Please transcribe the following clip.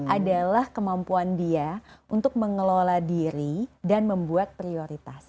adalah kemampuan dia untuk mengelola diri dan membuat prioritas